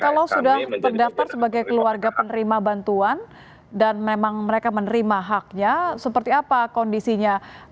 kalau sudah terdaftar sebagai keluarga penerima bantuan dan memang mereka menerima haknya seperti apa kondisinya